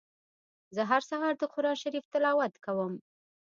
زه هر سهار د قرآن شريف تلاوت کوم.